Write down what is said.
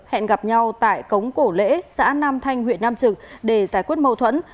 hẹn gặp nhau tại cống cổ lễ xã nam thanh huyện nam trực để giải quyết mâu thuẫn